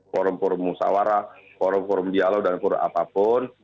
forum forum musawarah forum forum dialog dan forum apapun